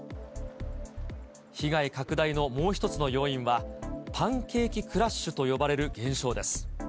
被害拡大のもう一つの要因は、パンケーキクラッシュと呼ばれる現象です。